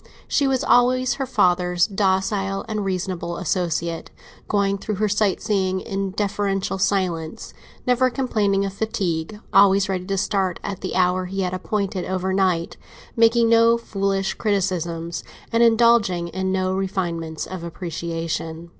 She was always her father's docile and reasonable associate—going through their sight seeing in deferential silence, never complaining of fatigue, always ready to start at the hour he had appointed over night, making no foolish criticisms and indulging in no refinements of appreciation.